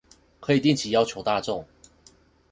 可以定期要求大眾